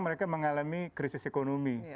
mereka mengalami krisis ekonomi